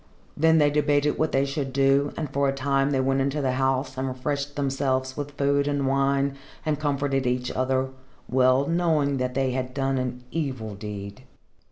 Then they debated what they should do, and for a time they went into the house and refreshed themselves with food and wine, and comforted each other, well knowing that they had done an evil deed.